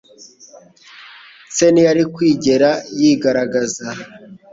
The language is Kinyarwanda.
Se ntiyari kwigera yigaragaza.